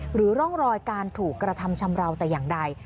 หรือร่องรอยการถูกกระทำชำราวแต่อย่างใด